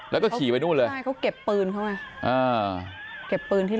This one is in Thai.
แล้วก็ฉี่ไปนู่นเลยใช่เค้าเก็บปืนเข้าไว้